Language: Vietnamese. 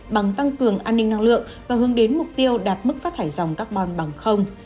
bằng tăng cường an ninh năng lượng và hướng đến mục tiêu đạt mức phát thải dòng carbon bằng không